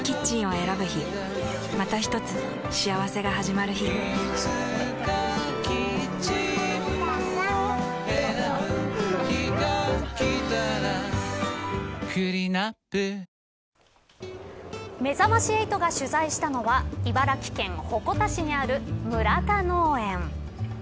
選ぶ日がきたらクリナップめざまし８が取材したのは茨城県鉾田市にある村田農園。